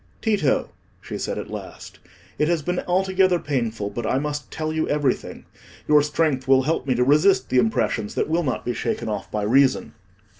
"Tito," she said at last, "it has been altogether painful, but I must tell you everything. Your strength will help me to resist the impressions that will not be shaken off by reason."